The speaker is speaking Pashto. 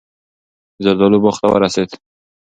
د زردالو باغ ته ورسېد.